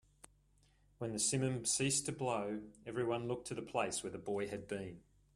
When the simum ceased to blow, everyone looked to the place where the boy had been.